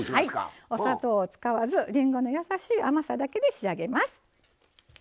お砂糖を使わずりんごのやさしい甘さだけで仕上げます。